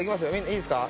いいですか？